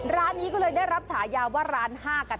ร้านนี้ก็เลยได้รับฉายาว่าร้าน๕กัน